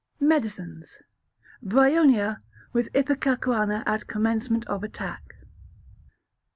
Medicines. Bryonia, with ipecacuanha at commencement of attack.